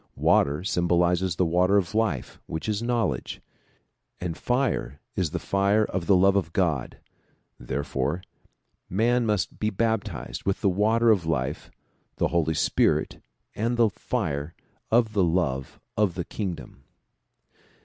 Water sym bolizes the water of life which is knowledge, and fire is the fire of the love of God ; therefore man must be baptized with the water of life, the Holy Spirit and the fire of the love of the kingdom.